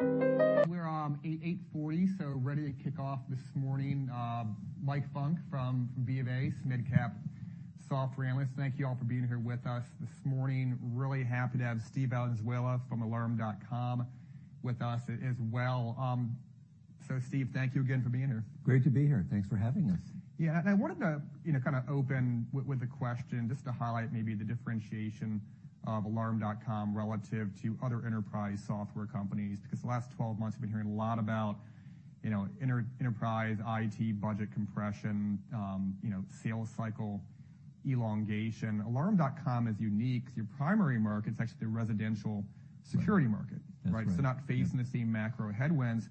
We're 8:40 A.M, so ready to kick off this morning. Mike Funk from BofA, midcap software analyst. Thank you all for being here with us this morning. Really happy to have Steve Valenzuela from Alarm.com with us as well. Steve, thank you again for being here. Great to be here. Thanks for having us. I wanted to, you know, kind of open with a question, just to highlight maybe the differentiation of Alarm.com relative to other enterprise software companies, because the last 12 months, we've been hearing a lot about, you know, enterprise IT budget compression, you know, sales cycle elongation. Alarm.com is unique. Your primary market is actually the residential security market. That's right. so not facing the same macro headwinds.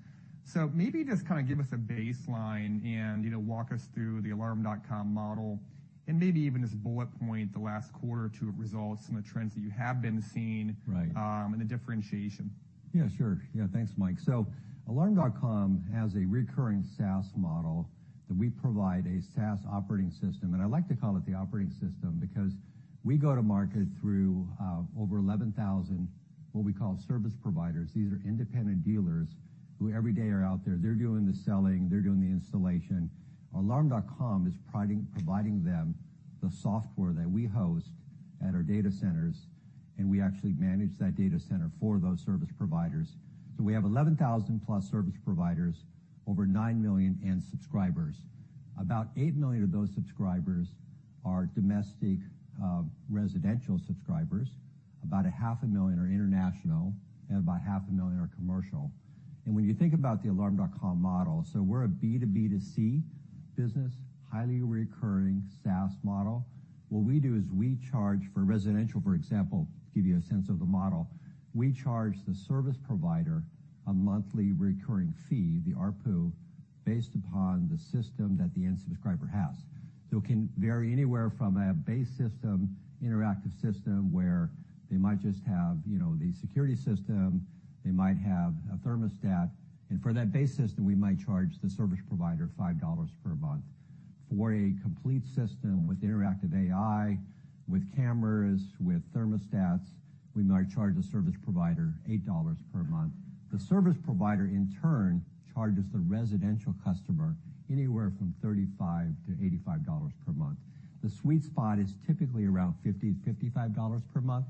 Maybe just kind of give us a baseline and, you know, walk us through the Alarm.com model, and maybe even just bullet point the last quarter or two of results and the trends that you have been seeing. Right. The differentiation. Sure. Yeah, thanks, Mike. Alarm.com has a recurring SaaS model that we provide a SaaS operating system. I like to call it the operating system because we go to market through over 11,000, what we call service providers. These are independent dealers who every day are out there. They're doing the selling, they're doing the installation. Alarm.com is providing them the software that we host at our data centers, and we actually manage that data center for those service providers. We have 11,000+ service providers, over 9 million in subscribers. About 8 million of those subscribers are domestic residential subscribers. About a half a million are international, and about half a million are commercial. When you think about the Alarm.com model, we're a B2B2C business, highly recurring SaaS model. What we do is we charge, for residential, for example, to give you a sense of the model, we charge the service provider a monthly recurring fee, the ARPU, based upon the system that the end subscriber has. It can vary anywhere from a base system, interactive system, where they might just have, you know, the security system, they might have a thermostat. For that base system, we might charge the service provider $5 per month. For a complete system with interactive AI, with cameras, with thermostats, we might charge the service provider $8 per month. The service provider, in turn, charges the residential customer anywhere from $35-$85 per month. The sweet spot is typically around $50, $55 per month.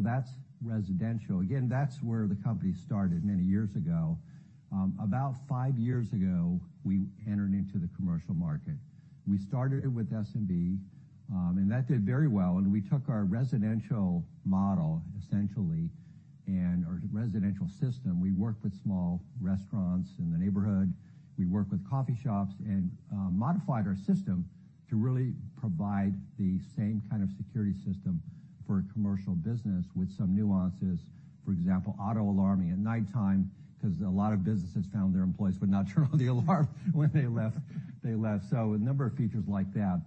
That's residential. Again, that's where the company started many years ago. About five years ago, we entered into the commercial market. We started it with SMB, and that did very well, and we took our residential model, essentially, and, or residential system, we worked with small restaurants in the neighborhood, we worked with coffee shops and, modified our system to really provide the same kind of security system for a commercial business with some nuances. For example, auto alarming at nighttime, because a lot of businesses found their employees would not turn on the alarm when they left. A number of features like that.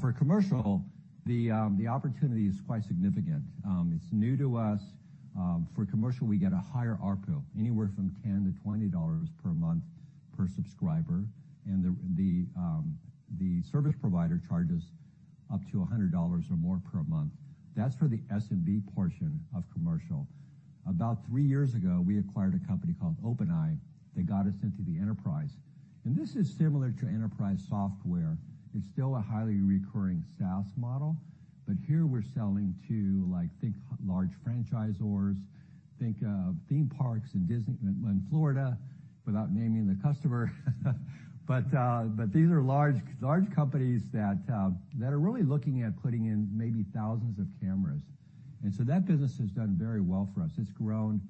For commercial, the opportunity is quite significant. It's new to us. For commercial, we get a higher ARPU, anywhere from $10-$20 per month per subscriber, and the service provider charges up to $100 or more per month. That's for the SMB portion of commercial. About three years ago, we acquired a company called OpenEye that got us into the enterprise. This is similar to enterprise software. It's still a highly recurring SaaS model, but here we're selling to, like, think large franchisors, think of theme parks in Disney in Florida, without naming the customer. These are large companies that are really looking at putting in maybe thousands of cameras. That business has done very well for us. It's grown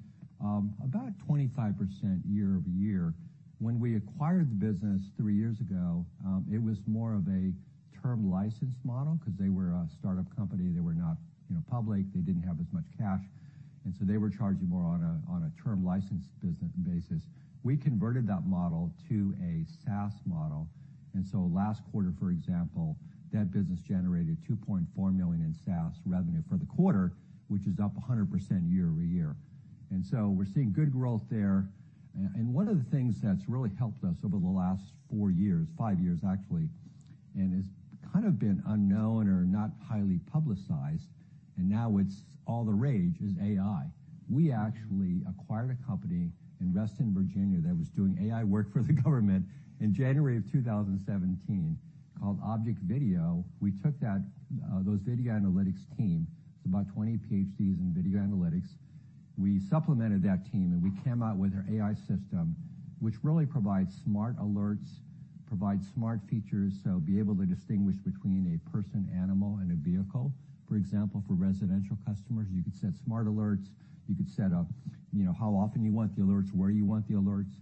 about 25% year-over-year. When we acquired the business three years ago, it was more of a term license model, because they were a startup company, they were not, you know, public, they didn't have as much cash, and so they were charging more on a term license business basis. We converted that model to a SaaS model. Last quarter, for example, that business generated $2.4 million in SaaS revenue for the quarter, which is up 100% year-over-year. We're seeing good growth there. One of the things that's really helped us over the last four years, five years, actually, and has kind of been unknown or not highly publicized, and now it's all the rage, is AI. We actually acquired a company in Reston, Virginia, that was doing AI work for the government in January 2017, called ObjectVideo. We took that, those video analytics team, it's about 20 PhDs in video analytics. We supplemented that team, we came out with our AI system, which really provides smart alerts, provides smart features, so be able to distinguish between a person, animal, and a vehicle. For example, for residential customers, you could set smart alerts, you could set up, you know, how often you want the alerts, where you want the alerts.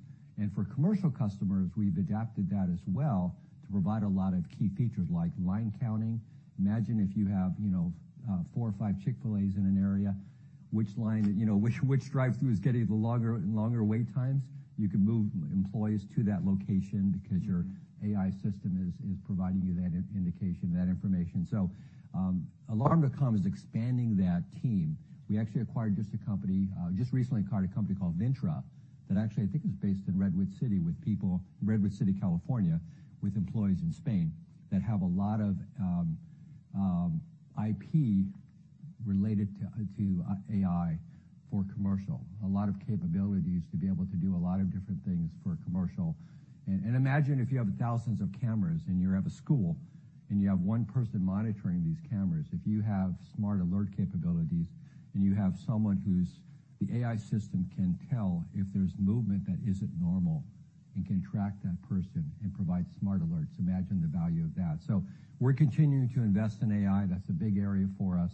For commercial customers, we've adapted that as well to provide a lot of key features, like line counting. Imagine if you have, you know, four or five Chick-fil-A's in an area, which line, which drive-through is getting the longer and longer wait times? You can move employees to that location because your AI system is providing you that indication, that information. Alarm.com is expanding that team. We actually just recently acquired a company called Vintra that actually, I think, is based in Redwood City, California, with employees in Spain, that have a lot of IP related to AI for commercial. A lot of capabilities to be able to do a lot of different things for commercial. Imagine if you have thousands of cameras and you have a school, and you have one person monitoring these cameras. If you have smart alert capabilities, and you have someone who's the AI system can tell if there's movement that isn't normal and can track that person and provide smart alerts, imagine the value of that. We're continuing to invest in AI. That's a big area for us.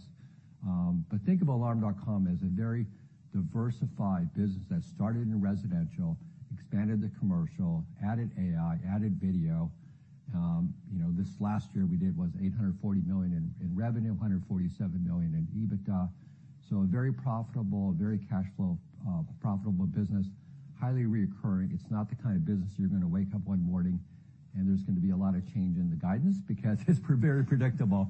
Think of Alarm.com as a very diversified business that started in residential, expanded to commercial, added AI, added video. You know, this last year, we did was $840 million in revenue, $147 million in EBITDA. A very profitable, very cash flow profitable business, highly reoccurring. It's not the kind of business you're gonna wake up one morning and there's gonna be a lot of change in the guidance because it's very predictable.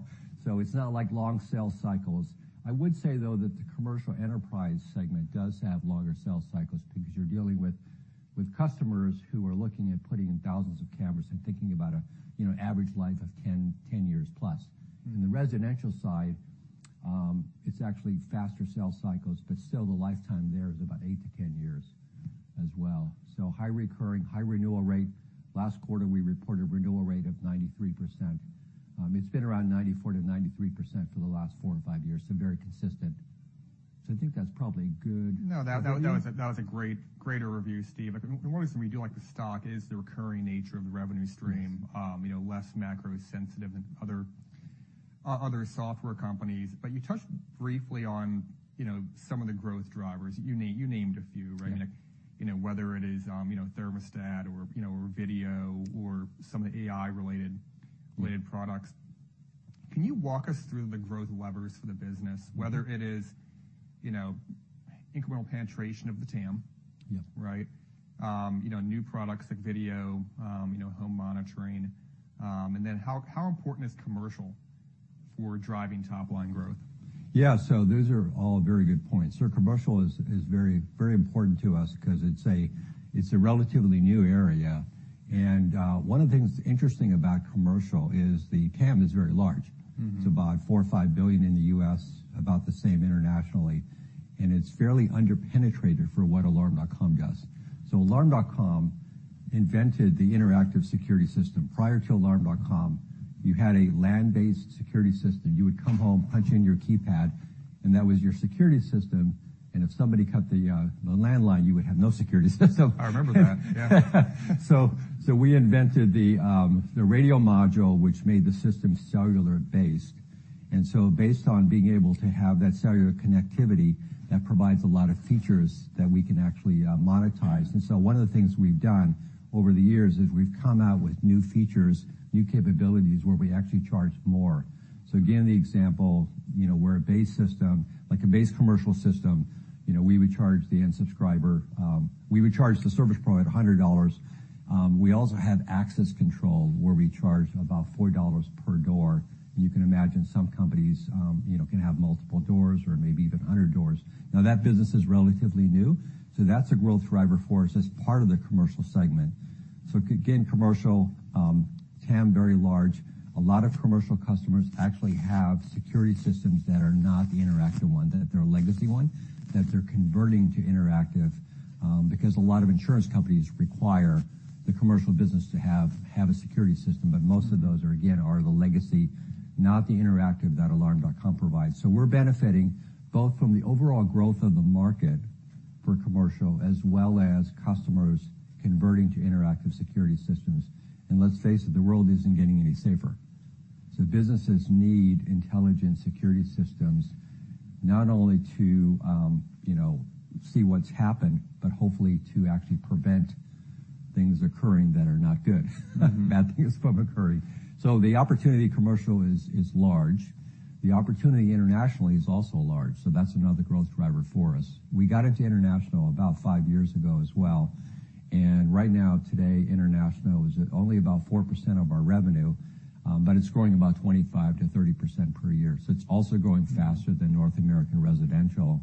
It's not like long sales cycles. I would say, though, that the commercial enterprise segment does have longer sales cycles because you're dealing with customers who are looking at putting in thousands of cameras and thinking about a, you know, average life of 10+ years. In the residential side, it's actually faster sales cycles, but still the lifetime there is about eight to 10 years as well. High recurring, high renewal rate. Last quarter, we reported renewal rate of 93%. It's been around 94%-93% for the last four or five years, very consistent. I think that's probably good. No, that was a great review, Steve. I think one of the reason we do like the stock is the recurring nature of the revenue stream. Yes. You know, less macro sensitive than other software companies. You touched briefly on, you know, some of the growth drivers. You named a few, right? Yeah. You know, whether it is, you know, thermostat or, you know, or video or some of the AI-related products. Can you walk us through the growth levers for the business, whether it is, you know, incremental penetration of the TAM- Yeah. Right? you know, new products like video, you know, home monitoring, how important is commercial for driving top-line growth? Yeah, those are all very good points. Commercial is very, very important to us 'cause it's a, it's a relatively new area. One of the things interesting about commercial is the TAM is very large. Mm-hmm. It's about $4 billion-$5 billion in the U.S., about the same internationally, and it's fairly under-penetrated for what Alarm.com does. Alarm.com invented the interactive security system. Prior to Alarm.com, you had a land-based security system. You would come home, punch in your keypad, and that was your security system, and if somebody cut the landline, you would have no security system. I remember that, yeah. We invented the radio module, which made the system cellular-based. Based on being able to have that cellular connectivity, that provides a lot of features that we can actually monetize. One of the things we've done over the years is we've come out with new features, new capabilities where we actually charge more. Again, the example, you know, where a base system, like a base commercial system, you know, we would charge the end subscriber. We would charge the service provider $100. We also have access control, where we charge about $4 per door. You can imagine some companies, you know, can have multiple doors or maybe even 100 doors. That business is relatively new, so that's a growth driver for us. That's part of the commercial segment. Again, commercial, TAM, very large. A lot of commercial customers actually have security systems that are not the interactive one, that they're a legacy one, that they're converting to interactive, because a lot of insurance companies require the commercial business to have a security system. Most of those are, again, the legacy, not the interactive that Alarm.com provides. We're benefiting both from the overall growth of the market for commercial, as well as customers converting to interactive security systems. Let's face it, the world isn't getting any safer. Businesses need intelligent security systems, not only to, you know, see what's happened, but hopefully to actually prevent things occurring that are not good. Mm-hmm. Bad things from occurring. The opportunity commercial is large. The opportunity internationally is also large, so that's another growth driver for us. We got into international about five years ago as well, and right now, today, international is at only about 4% of our revenue, but it's growing about 25%-30% per year. It's also growing. Mm. -than North American residential.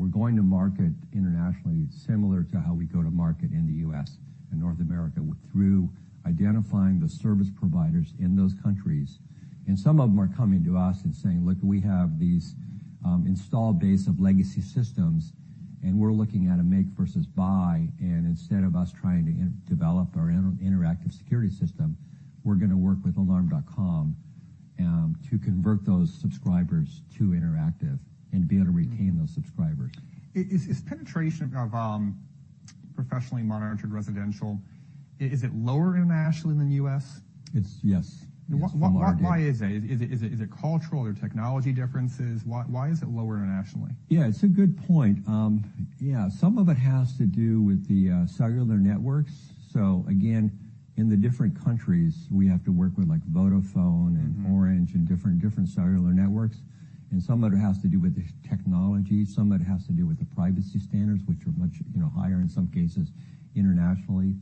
we're going to market internationally, similar to how we go to market in the US and North America, through identifying the service providers in those countries. Some of them are coming to us and saying, "Look, we have these installed base of legacy systems, we're looking at a make versus buy, instead of us trying to develop our interactive security system, we're gonna work with Alarm.com to convert those subscribers to interactive and be able to retain those subscribers. Is penetration of professionally monitored residential, is it lower internationally than U.S.? Yes, it's lower here. Why is that? Is it cultural or technology differences? Why is it lower internationally? Yeah, it's a good point. Yeah, some of it has to do with the cellular networks. Again, in the different countries, we have to work with, like Vodafone. Mm-hmm. Orange and different cellular networks. Some of it has to do with the technology, some of it has to do with the privacy standards, which are much, you know, higher in some cases internationally.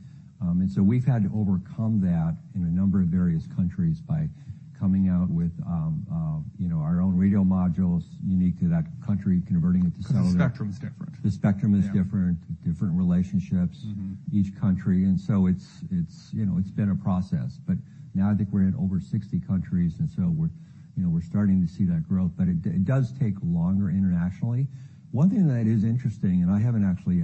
So we've had to overcome that in a number of various countries by coming out with, you know, our own radio modules unique to that country, converting it to cellular- The spectrum's different. The spectrum is different. Yeah. Different relationships. Mm-hmm. -each country, and so it's, you know, it's been a process. Now I think we're in over 60 countries, and so we're, you know, we're starting to see that growth, but it does take longer internationally. One thing that is interesting, and I haven't actually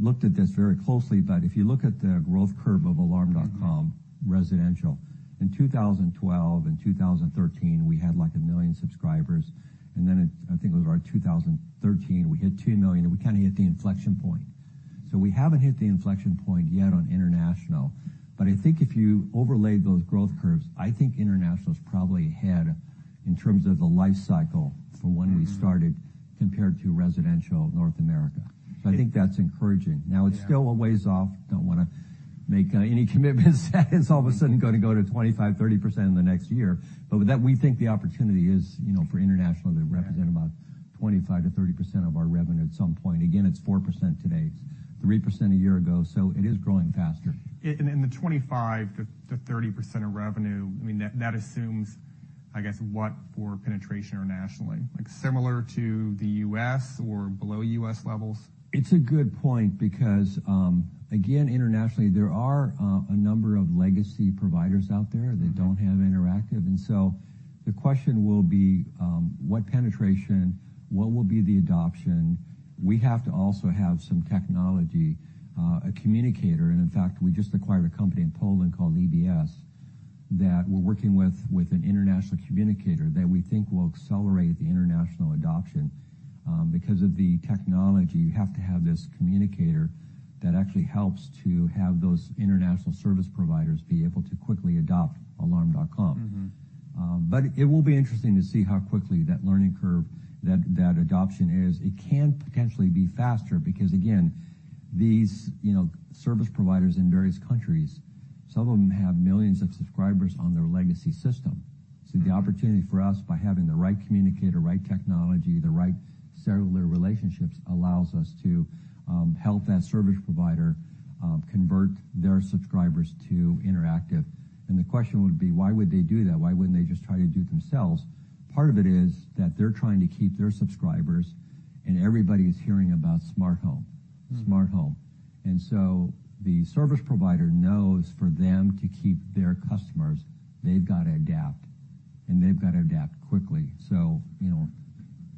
looked at this very closely, but if you look at the growth curve of Alarm.com residential, in 2012 and 2013, we had, like, 1 million subscribers, and then it, I think it was around 2013, we hit 2 million, and we kind of hit the inflection point. We haven't hit the inflection point yet on international, but I think if you overlaid those growth curves, I think international's probably ahead in terms of the life cycle from when we started compared to residential North America. I think that's encouraging. It's still a ways off. Don't wanna make any commitments that it's all of a sudden gonna go to 25%-30% in the next year. With that, we think the opportunity is, you know, for international to represent about 25%-30% of our revenue at some point. It's 4% today, 3% a year ago, so it is growing faster. The 25%-30% of revenue, I mean, that assumes, I guess, what, for penetration internationally? Like, similar to the U.S. or below U.S. levels? It's a good point because, again, internationally, there are a number of legacy providers out there that don't have interactive. The question will be: What penetration? What will be the adoption? We have to also have some technology, a communicator, and in fact, we just acquired a company in Poland called EBS, that we're working with an international communicator that we think will accelerate the international adoption. Because of the technology, you have to have this communicator that actually helps to have those international service providers be able to quickly adopt Alarm.com. Mm-hmm. It will be interesting to see how quickly that learning curve, that adoption is. It can potentially be faster, because again, these, you know, service providers in various countries, some of them have millions of subscribers on their legacy system. The opportunity for us, by having the right communicator, right technology, the right cellular relationships, allows us to help that service provider convert their subscribers to interactive. The question would be: Why would they do that? Why wouldn't they just try to do it themselves? Part of it is that they're trying to keep their subscribers, and everybody is hearing about smart home, smart home. The service provider knows, for them to keep their customers, they've got to adapt, and they've got to adapt quickly. you know,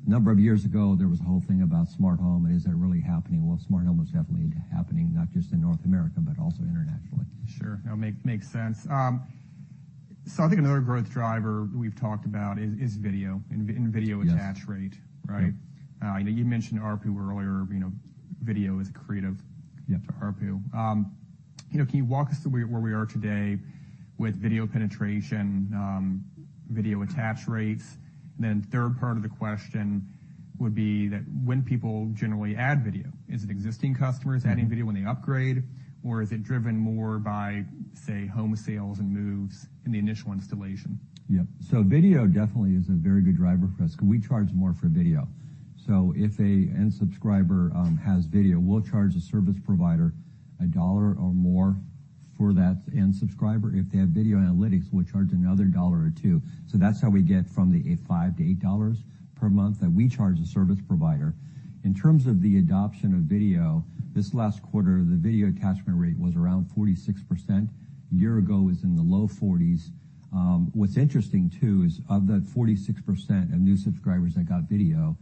a number of years ago, there was a whole thing about smart home, and is that really happening? smart home is definitely happening, not just in North America, but also internationally. Sure. No, makes sense. I think another growth driver we've talked about is video and video attach rate... Yes. Right? Yep. I know you mentioned ARPU earlier. You know, video is. Yep. -to ARPU. You know, can you walk us through where we are today with video penetration, video attach rates? Third part of the question would be that when people generally add video, is it existing customers adding video when they upgrade, or is it driven more by, say, home sales and moves in the initial installation? Yep. Video definitely is a very good driver for us 'cause we charge more for video. If a end subscriber has video, we'll charge the service provider $1 or more for that end subscriber. If they have video analytics, we'll charge another $1 or $2. That's how we get from the, a $5-$8 per month that we charge the service provider. In terms of the adoption of video, this last quarter, the video attachment rate was around 46%. A year ago, it was in the low 40s. What's interesting, too, is of that 46% of new subscribers that got video,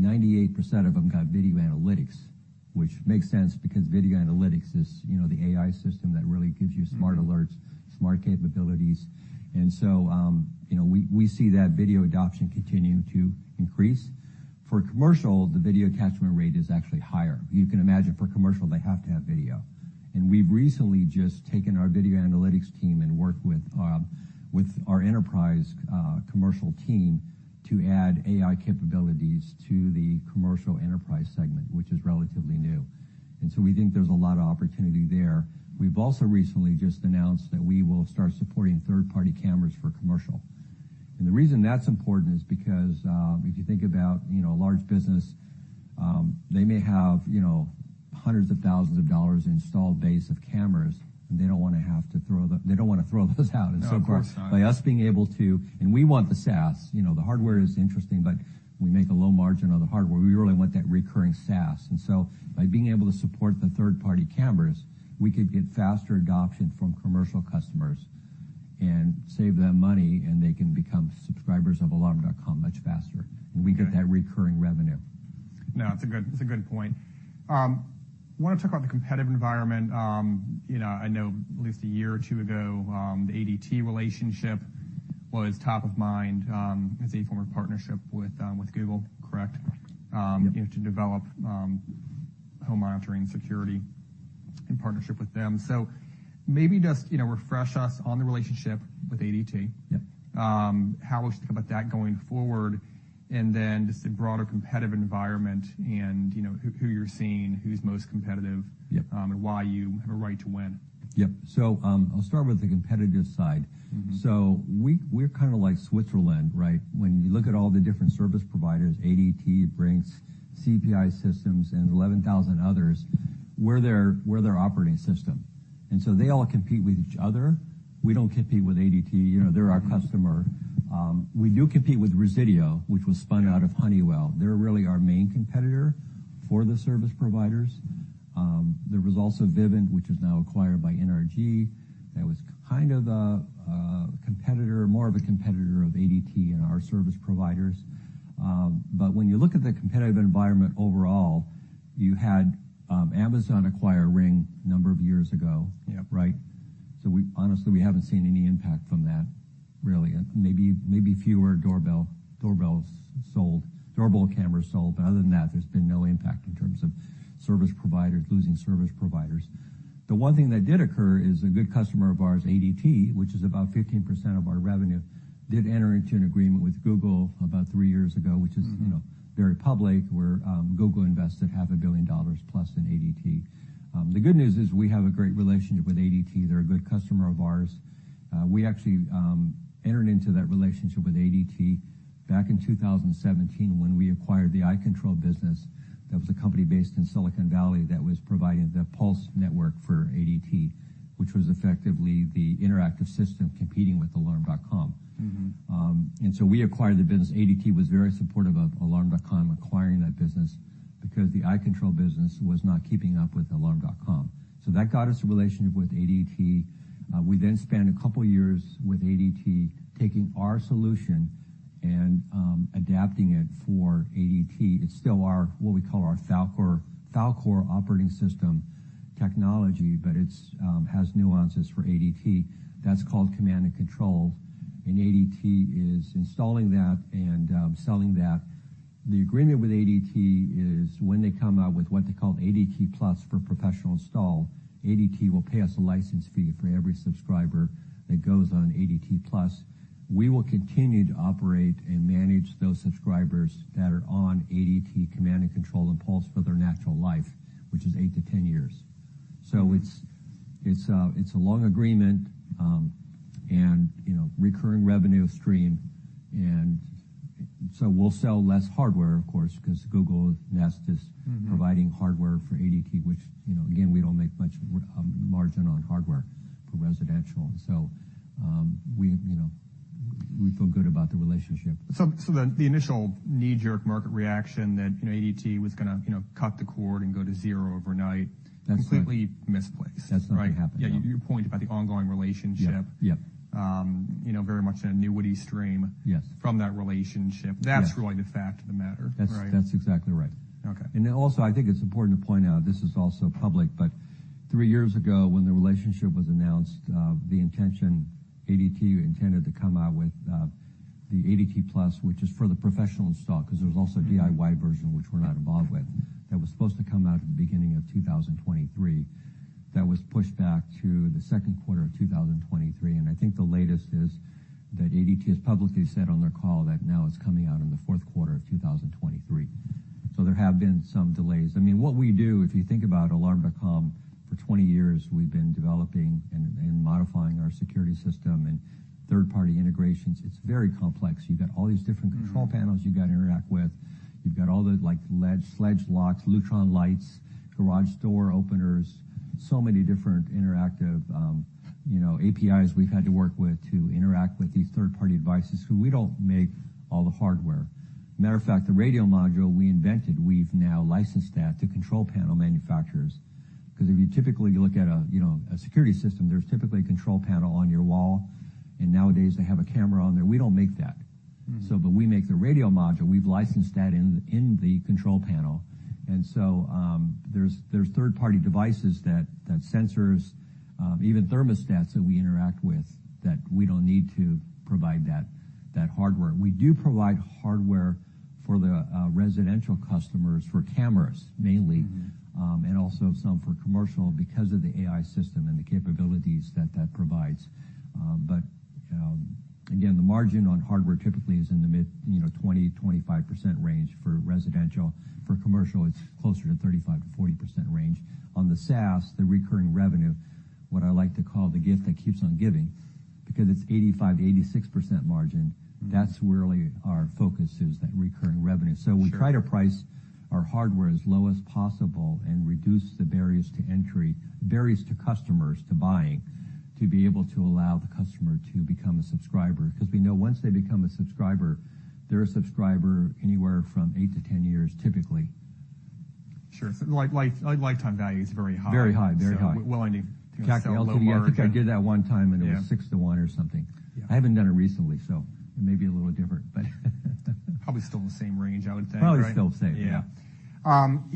98% of them got video analytics, which makes sense because video analytics is, you know, the AI system that really gives you smart alerts, smart capabilities. You know, we see that video adoption continuing to increase. For commercial, the video attachment rate is actually higher. You can imagine for commercial, they have to have video. We've recently just taken our video analytics team and worked with our enterprise commercial team to add AI capabilities to the commercial enterprise segment, which is relatively new. We think there's a lot of opportunity there. We've also recently just announced that we will start supporting third-party cameras for commercial. The reason that's important is because, if you think about, you know, a large business, they may have, you know, hundreds of thousands of dollars installed base of cameras, and they don't wanna have to throw those out. No, of course not. By us being able to... We want the SaaS. You know, the hardware is interesting, but we make a low margin on the hardware. We really want that recurring SaaS. By being able to support the third-party cameras, we could get faster adoption from commercial customers and save them money, and they can become subscribers of Alarm.com much faster. Okay. We get that recurring revenue. No, it's a good point. I wanna talk about the competitive environment. You know, I know at least a year or two ago, the ADT relationship was top of mind, as a former partnership with Google, correct? Yep. You know, to develop home monitoring security in partnership with them. Maybe just, you know, refresh us on the relationship with ADT. Yep. How we should think about that going forward, and then just the broader competitive environment and, you know, who you're seeing, who's most competitive... Yep. Why you have a right to win. Yep. I'll start with the competitive side. Mm-hmm. We're kind of like Switzerland, right? When you look at all the different service providers, ADT, Brink's, CPI Security, and 11,000 others, we're their operating system, they all compete with each other. We don't compete with ADT. You know, they're our customer. We do compete with Resideo, which was spun out of Honeywell. They're really our main competitor for the service providers. There was also Vivint, which is now acquired by NRG. That was kind of a competitor, more of a competitor of ADT and our service providers. When you look at the competitive environment overall, you had Amazon acquire Ring a number of years ago. Yep. Right? We, honestly, we haven't seen any impact from that, really. Maybe fewer doorbell, doorbells sold, doorbell cameras sold, but other than that, there's been no impact in terms of service providers, losing service providers. The one thing that did occur is a good customer of ours, ADT, which is about 15% of our revenue, did enter into an agreement with Google about three years ago. Mm-hmm. -which is, you know, very public, where Google invested half a billion dollars plus in ADT. The good news is we have a great relationship with ADT. They're a good customer of ours. We actually entered into that relationship with ADT back in 2017, when we acquired the Icontrol business. That was a company based in Silicon Valley that was providing the Pulse network for ADT, which was effectively the interactive system competing with Alarm.com. Mm-hmm. We acquired the business. ADT was very supportive of Alarm.com acquiring that business because the Icontrol business was not keeping up with Alarm.com. We then spent a couple of years with ADT, taking our solution and adapting it for ADT. It's still our, what we call our Falcor operating system technology, but it's has nuances for ADT. That's called Command and Control. ADT is installing that and selling that. The agreement with ADT is when they come out with what they call ADT+ for professional install, ADT will pay us a license fee for every subscriber that goes on ADT+. We will continue to operate and manage those subscribers that are on ADT Command and Control and Pulse for their natural life, which is 8-10 years. It's a long agreement, you know, recurring revenue stream. We'll sell less hardware, of course, because Google Nest. Mm-hmm... providing hardware for ADT, which, you know, again, we don't make much, margin on hardware for residential. We, you know, we feel good about the relationship. so the initial knee-jerk market reaction that, you know, ADT was gonna, you know, cut the cord and go to zero overnight. That's right. completely misplaced. That's not going to happen. Yeah. Your point about the ongoing relationship. Yeah. Yeah. you know, very much an annuity stream. Yes from that relationship. Yes. That's really the fact of the matter, right? That's exactly right. Okay. I think it's important to point out, this is also public, but three years ago, when the relationship was announced, the intention, ADT intended to come out with the ADT+, which is for the professional install, because there's also... Mm-hmm a DIY version, which we're not involved with. That was supposed to come out at the beginning of 2023. That was pushed back to the second quarter of 2023. I think the latest is that ADT has publicly said on their call that now it's coming out in the fourth quarter of 2023. There have been some delays. I mean, what we do, if you think about Alarm.com, for 20 years, we've been developing and modifying our security system and third-party integrations. It's very complex. You've got all these different- Mm-hmm... control panels you've got to interact with. You've got all the, like, ledge, Schlage locks, Lutron lights, garage door openers, so many different interactive, you know, APIs we've had to work with to interact with these third-party devices, who we don't make all the hardware. Matter of fact, the radio module we invented, we've now licensed that to control panel manufacturers. Because if you typically look at a, you know, a security system, there's typically a control panel on your wall, and nowadays, they have a camera on there. We don't make that. Mm-hmm. But we make the radio module. We've licensed that in the control panel. There's third-party devices that sensors, even thermostats that we interact with, that we don't need to provide that hardware. We do provide hardware for the residential customers, for cameras, mainly. Mm-hmm... and also some for commercial because of the AI system and the capabilities that that provides. Again, the margin on hardware typically is in the mid, you know, 20%-25% range for residential. For commercial, it's closer to 35%-40% range. On the SaaS, the recurring revenue, what I like to call the gift that keeps on giving, because it's 85%-86% margin. Mm-hmm... that's really our focus, is that recurring revenue. Sure. We try to price our hardware as low as possible and reduce the barriers to entry, barriers to customers to buying, to be able to allow the customer to become a subscriber, because we know once they become a subscriber, they're a subscriber anywhere from eight to 10 years, typically. Sure. lifetime value is very high. Very high, very high. Willing to sell a little margin. I think I did that one time. Yeah... it was 6 to 1 or something. Yeah. I haven't done it recently, so it may be a little different, but. Probably still in the same range, I would think. Probably still the same. You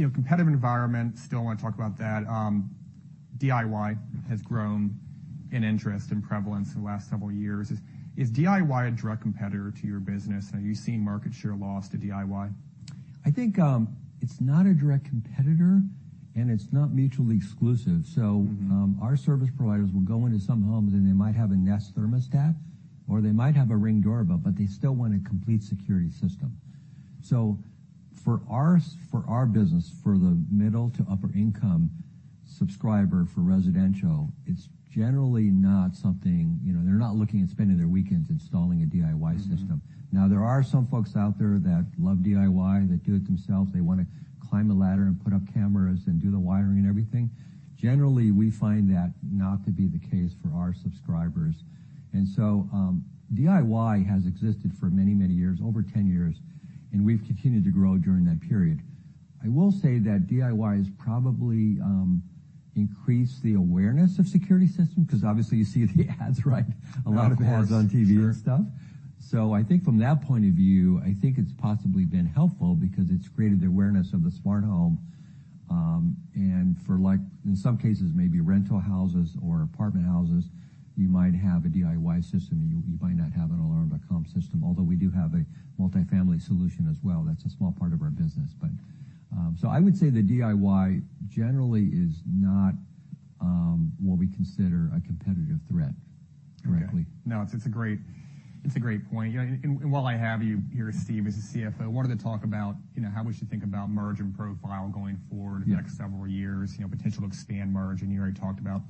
know, competitive environment, still want to talk about that. DIY has grown in interest and prevalence in the last several years. Is DIY a direct competitor to your business? Are you seeing market share loss to DIY? I think, it's not a direct competitor, and it's not mutually exclusive. Mm-hmm. Our service providers will go into some homes, and they might have a Nest thermostat, or they might have a Ring doorbell, but they still want a complete security system. For our business, for the middle to upper income subscriber, for residential, it's generally not something. You know, they're not looking at spending their weekends installing a DIY system. Mm-hmm. Now, there are some folks out there that love DIY, that do it themselves. They want to climb a ladder and put up cameras and do the wiring and everything. Generally, we find that not to be the case for our subscribers. DIY has existed for many, many years, over 10 years, and we've continued to grow during that period. I will say that DIY has probably increased the awareness of security systems, because obviously, you see the ads, right? Of course. A lot of ads on TV and stuff. Sure. I think from that point of view, I think it's possibly been helpful because it's created the awareness of the smart home. For like, in some cases, maybe rental houses or apartment houses, you might have a DIY system. You might not have an Alarm.com system, although we do have a multifamily solution as well. That's a small part of our business. I would say the DIY generally is not what we consider a competitive threat, correctly. No, it's a great, it's a great point. Yeah, and while I have you here, Steve, as the CFO, I wanted to talk about, you know, how we should think about margin profile going forward... Yeah the next several years, you know, potential to expand margin. You already talked about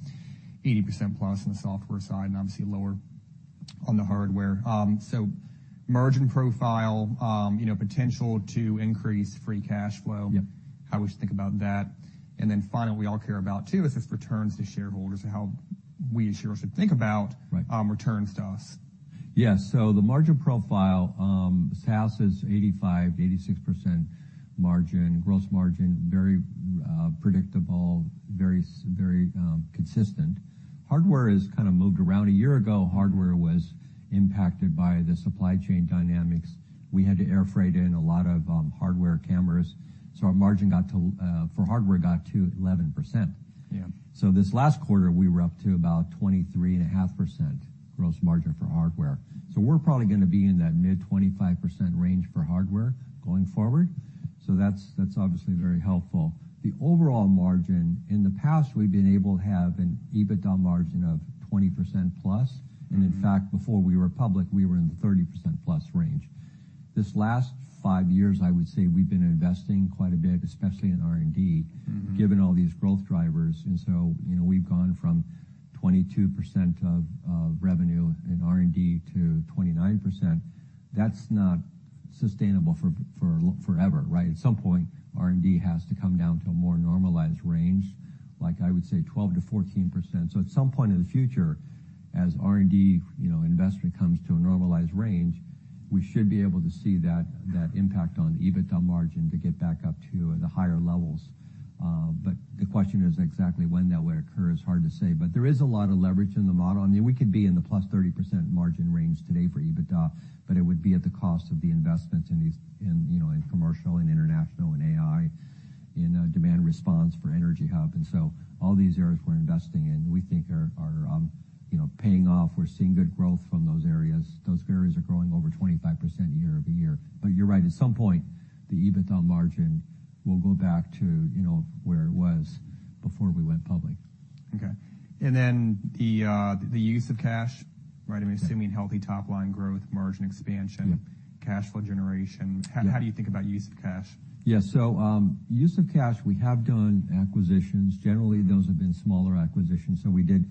80%+ on the software side and obviously lower on the hardware. Margin profile, you know, potential to increase free cash flow. Yeah. How we should think about that. Finally, we all care about too, is just returns to shareholders and how we as shareholders should think about... Right returns to us. Yes, the margin profile, SaaS is 85%-86% margin. Gross margin, very predictable, very consistent. Hardware has kind of moved around. A year ago, hardware was impacted by the supply chain dynamics. We had to air freight in a lot of hardware cameras, so our margin got to for hardware, got to 11%. Yeah. This last quarter, we were up to about 23.5% gross margin for hardware. We're probably going to be in that mid 25% range for hardware going forward. That's obviously very helpful. The overall margin, in the past, we've been able to have an EBITDA margin of 20%+ and in fact, before we were public, we were in the 30%+ range. This last five years, I would say we've been investing quite a bit, especially in R&D. Mm-hmm -given all these growth drivers. You know, we've gone from 22% of revenue in R&D to 29%. That's not sustainable forever, right? At some point, R&D has to come down to a more normalized range, like I would say 12%-14%. At some point in the future, as R&D, you know, investment comes to a normalized range, we should be able to see that impact on the EBITDA margin to get back up to the higher levels. The question is exactly when that would occur is hard to say. There is a lot of leverage in the model. I mean, we could be in the +30% margin range today for EBITDA, but it would be at the cost of the investments in these, you know, in commercial and international and AI, in demand response for EnergyHub. All these areas we're investing in, we think are, you know, paying off. We're seeing good growth from those areas. Those areas are growing over 25% year-over-year. You're right, at some point, the EBITDA margin will go back to, you know, where it was before we went public. Okay, then the use of cash, right? Yeah. I'm assuming healthy top-line growth, margin expansion. Yeah cash flow generation. Yeah. How do you think about use of cash? Yeah. use of cash, we have done acquisitions. Generally, those have been smaller acquisitions. we did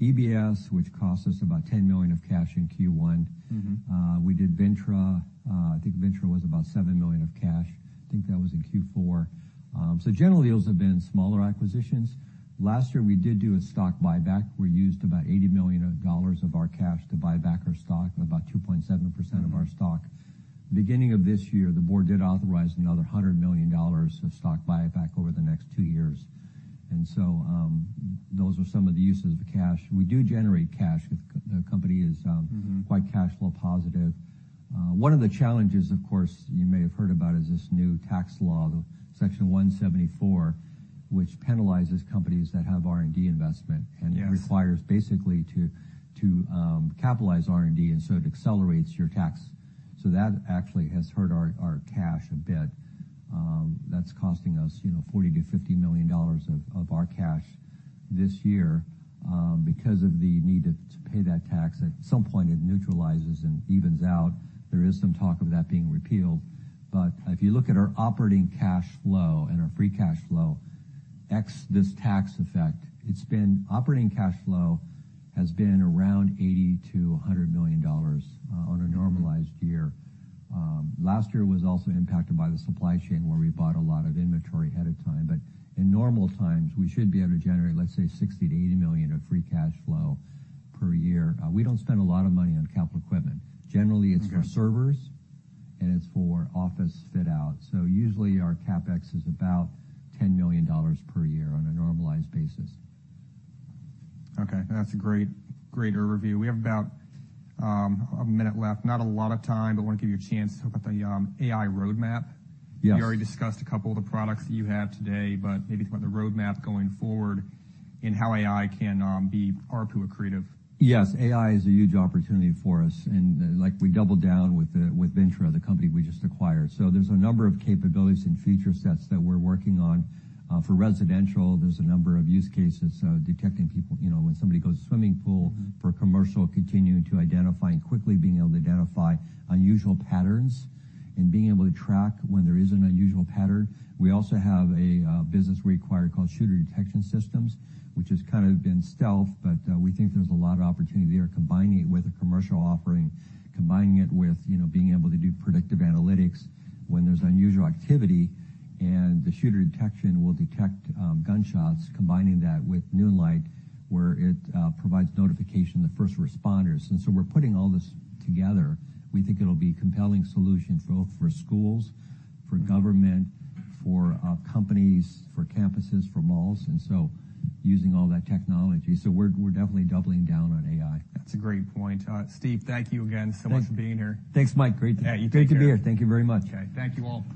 EBS, which cost us about $10 million of cash in Q1. Mm-hmm. We did Vintra. I think Vintra was about $7 million of cash. I think that was in Q4. Generally, those have been smaller acquisitions. Last year, we did do a stock buyback, where we used about $80 million of our cash to buy back our stock, about 2.7% of our stock. Beginning of this year, the board did authorize another $100 million of stock buyback over the next two years, and so, those were some of the uses of the cash. We do generate cash. The company is. Mm-hmm -quite cash flow positive. one of the challenges, of course, you may have heard about, is this new tax law, the Section 174, which penalizes companies that have R&D investment. Yes requires basically to capitalize R&D, it accelerates your tax. That actually has hurt our cash a bit. That's costing us, you know, $40 million-$50 million of our cash this year because of the need to pay that tax. At some point, it neutralizes and evens out. There is some talk of that being repealed. If you look at our operating cash flow and our free cash flow, ex this tax effect, it's been. Operating cash flow has been around $80 million-$100 million on a normalized year. Mm-hmm. Last year was also impacted by the supply chain, where we bought a lot of inventory ahead of time. In normal times, we should be able to generate, let's say, $60 million-$80 million of free cash flow per year. We don't spend a lot of money on capital equipment. Okay. Generally, it's for servers, and it's for office fit out, so usually our CapEx is about $10 million per year on a normalized basis. That's a great overview. We have about a minute left. Not a lot of time, but I want to give you a chance to talk about the AI roadmap. Yes. We already discussed a couple of the products that you have today, but maybe talk about the roadmap going forward and how AI can be ARPU accretive. Yes, AI is a huge opportunity for us, like, we doubled down with Vintra, the company we just acquired. There's a number of capabilities and feature sets that we're working on. For residential, there's a number of use cases, detecting people, you know, when somebody goes in a swimming pool. Mm-hmm. For commercial, continuing to identify and quickly being able to identify unusual patterns and being able to track when there is an unusual pattern. We also have a business we acquired called Shooter Detection Systems, which has kind of been stealth, but we think there's a lot of opportunity there, combining it with a commercial offering, combining it with, you know, being able to do predictive analytics when there's unusual activity. The shooter detection will detect gunshots, combining that with Noonlight, where it provides notification to first responders. So we're putting all this together. We think it'll be a compelling solution for schools, for government- Mm-hmm -for, companies, for campuses, for malls, and so using all that technology. We're definitely doubling down on AI. That's a great point. Steve, thank you again so much. Thank you. for being here. Thanks, Mike. Yeah, you take care. Great to be here. Thank you very much. Okay. Thank you, all.